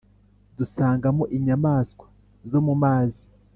dusangamo inyamaswa zo mu mazi.